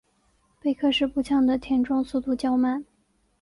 贝克式步枪的填装速度较慢。